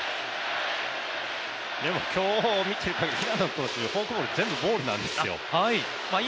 今日見ている限り、平野投手フォークボール全部ボールなんですよ。